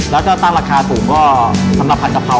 แล้วถ้าตั้งราคาสูงก็สำหรับผัดกะเพรา